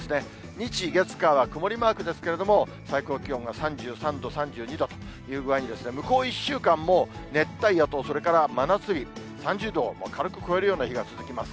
日、月、火は曇りマークですけれども、最高気温が３３度、３２度という具合に、向こう１週間も熱帯夜と、それから真夏日、３０度を軽く超えるような日が続きます。